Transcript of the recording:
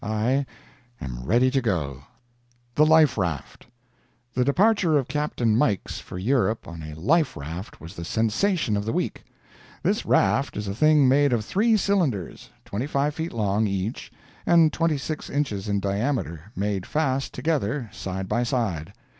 I am ready to go. THE LIFE RAFT The departure of Capt. Mikes for Europe on a life raft was the sensation of the week. This raft is a thing made of three cylinders, 25 feet long, each, and 26 inches in diameter, made fast together, side by side.